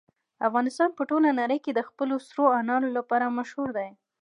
افغانستان په ټوله نړۍ کې د خپلو سرو انارو لپاره مشهور دی.